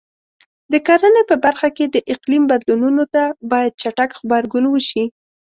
د کرنې په برخه کې د اقلیم بدلونونو ته باید چټک غبرګون وشي.